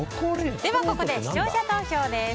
ここで視聴者投票です。